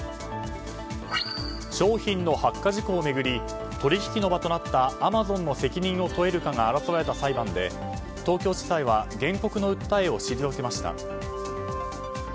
商品の発火事故を巡り取引の場となったアマゾンの責任を問えるかが争われた裁判で東京地裁は原告の訴えを退けました。